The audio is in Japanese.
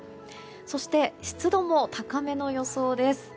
そして、湿度も高めの予想です。